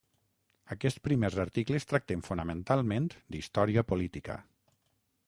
Aquests primers articles tracten fonamentalment d'història política.